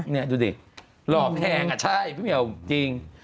นี่ดูดิหล่อแพงอ่ะใช่พี่เหี่ยวจริง